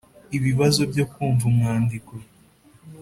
– Ibibazo byo kumva umwandiko